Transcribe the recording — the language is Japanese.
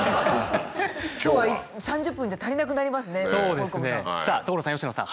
今日は３０分じゃ足りなくなりますねホルコムさん。さあ所さん佳乃さん。